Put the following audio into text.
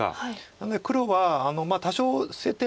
なので黒は多少捨てても。